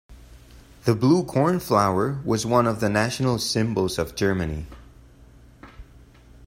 The blue cornflower was one of the national symbols of Germany.